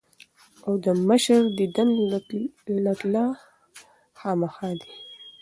او د مشر ديدن له تلۀ خامخه دي ـ